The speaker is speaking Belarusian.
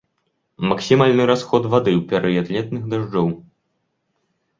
Максімальны расход вады ў перыяд летніх дажджоў.